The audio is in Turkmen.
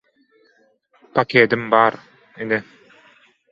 – Pakedim bar, ine.